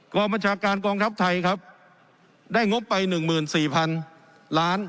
กรมประชาการกองทัพไทยครับได้งบไปหนึ่งหมื่นสี่พันล้าน